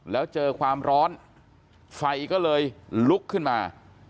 แล้วเจอความร้อนไฟก็เลยลุกขึ้นมา